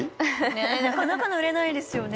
ねえなかなか乗れないですよね